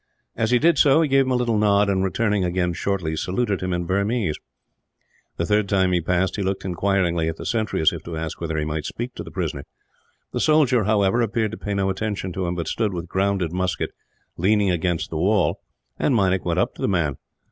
As he did so he gave him a little nod and, returning again shortly, saluted him in Burmese. The third time he passed he looked inquiringly at the sentry, as if to ask whether he might speak to the prisoner. The soldier, however, appeared to pay no attention to him; but stood with grounded musket, leaning against the wall, and Meinik went up to the man.